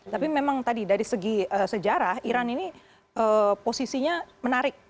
tapi memang tadi dari segi sejarah iran ini posisinya menarik